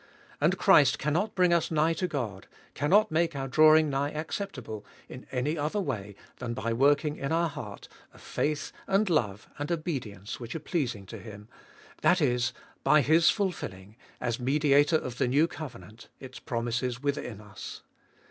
And Christ cannot bring us nigh to God, cannot make our drawing nigh acceptable in any other way than by working in our heart a faith, and love, and obedience which are pleasing to Him ; that is, by His fulfilling, as Mediator of the new covenant, its promises within us.